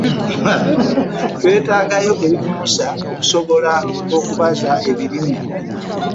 Twetaagayo ebigimusa okusobola okubaza ebirime.